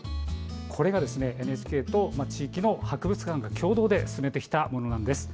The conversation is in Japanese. これがＮＨＫと地域の博物館と共同で進めてきたものです。